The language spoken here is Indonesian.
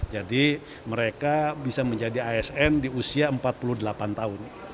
jadi mereka bisa menjadi asn di usia empat puluh delapan tahun